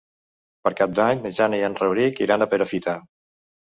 Per Cap d'Any na Jana i en Rauric iran a Perafita.